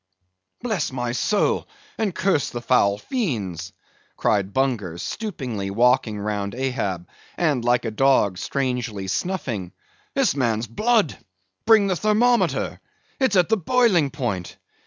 "Bless my soul, and curse the foul fiend's," cried Bunger, stoopingly walking round Ahab, and like a dog, strangely snuffing; "this man's blood—bring the thermometer!—it's at the boiling point!